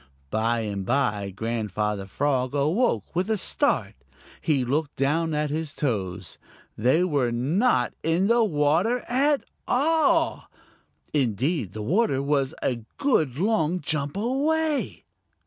By and by Grandfather Frog awoke with a start. He looked down at his toes. They were not in the water at all! Indeed, the water was a good long jump away.